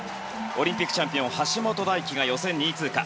オリンピックチャンピオン橋本大輝が予選２位通過。